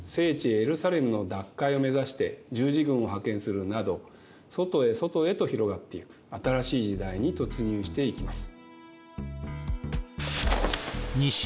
エルサレムの奪回を目指して十字軍を派遣するなど外へ外へと広がっていく新しい時代に突入していきます。